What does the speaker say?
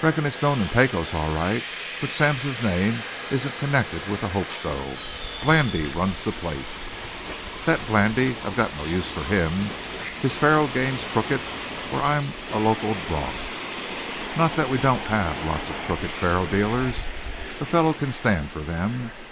"Reckon it's known in Pecos, all right. But Sampson's name isn't connected with the Hope So. Blandy runs the place." "That Blandy I've got no use for him. His faro game's crooked, or I'm locoed bronc. Not that we don't have lots of crooked faro dealers. A fellow can stand for them.